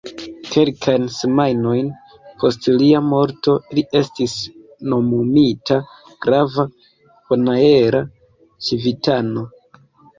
Kelkajn semajnojn post lia morto, li estis nomumita grava bonaera civitano.